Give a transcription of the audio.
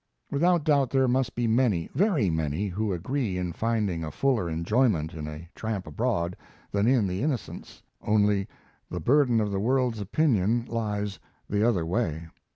Without doubt there must be many very many who agree in finding a fuller enjoyment in 'A Tramp Abroad' than in the 'Innocents'; only, the burden of the world's opinion lies the other way.